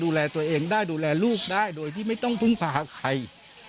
ดูแลตัวเองได้ดูแลลูกได้โดยที่ไม่ต้องพึ่งพาใคร